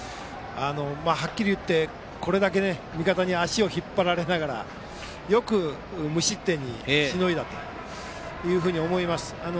はっきり言って、これだけ味方に足を引っ張られながらよく無失点にしのいだと思います。